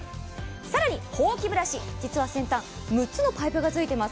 さらにほうきブラシ実は先端６つブラシがついています。